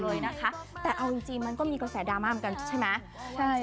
เลยนะคะแต่เอาจริงจริงมันก็มีกระแสดราม่าเหมือนกันใช่ไหมใช่